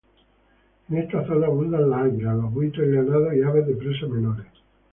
En esta zona abundan las águilas, los buitres leonados y aves de presa menores.